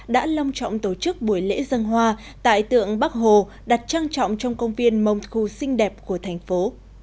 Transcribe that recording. đã long trọng tổ chức buổi lễ dân hoa tại tượng bắc hồ đặt trang trọng trong công viên mông thu xinh đẹp của thành phố